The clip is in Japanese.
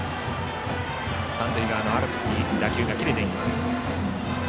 三塁側のアルプスに打球が切れていきます。